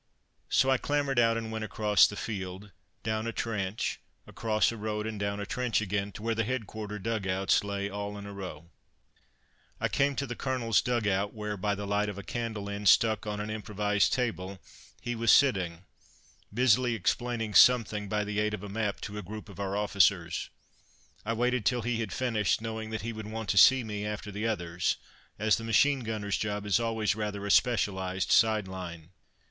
So I clambered out and went across the field, down a trench, across a road and down a trench again to where the headquarter dug outs lay all in a row. I came to the Colonel's dug out, where, by the light of a candle end stuck on an improvised table, he was sitting, busily explaining something by the aid of a map to a group of our officers. I waited till he had finished, knowing that he would want to see me after the others, as the machine gunner's job is always rather a specialized side line.